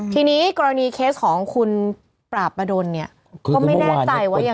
ทีนี้กรณีเคสของคุณปราบประดนเนี่ยก็ไม่แน่ใจว่ายังไง